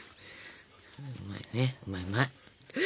うまいねうまいうまい。